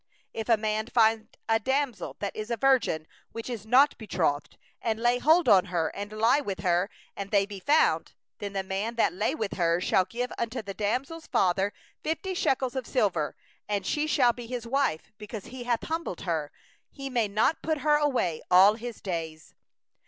28If a man find a damsel that is a virgin, that is not betrothed, and lay hold on her, and lie with her, and they be found; 29then the man that lay with her shall give unto the damsel's father fifty shekels of silver, and she shall be his wife, because he hath humbled her; he may not put her away all his days.